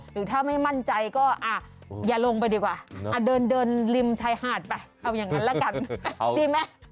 หรือถ้าไม่มั่นใจก็อย่าลงไปดีกว่าเดินริมชายหาดไปเอาอย่างนั้นละกันดีไหม